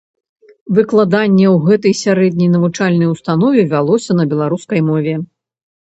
Выкладанне ў гэтай сярэдняй навучальнай установе вялося на беларускай мове.